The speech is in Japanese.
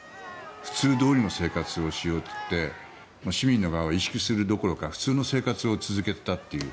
普通どおりの生活をしようっていって市民の側は意識するどころか普通の生活を続けていたという。